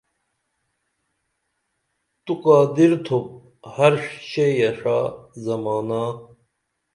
تو قادر تھوپ ہر شئی یہ ݜا زمانا